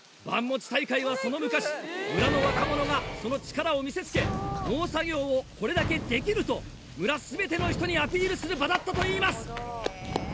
盤持ち大会はその昔村の若者がその力を見せつけ農作業をこれだけできると村全ての人にアピールする場だったといいます。